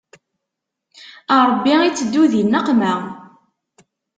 Ṛebbi iteddu di nneqma.